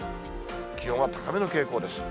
気温は高めの傾向です。